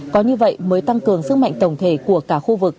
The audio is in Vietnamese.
có như vậy mới tăng cường sức mạnh tổng thể của cả khu vực